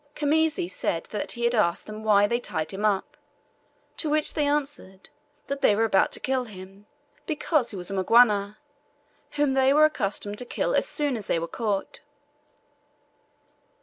Khamisi said that he asked them why they tied him up, to which they answered, that they were about to kill him, because he was a Mgwana, whom they were accustomed to kill as soon as they were caught.